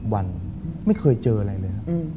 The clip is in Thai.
มาไม่เคยเจออะไรเลยนะ